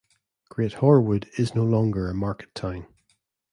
Great Horwood is no longer a market town.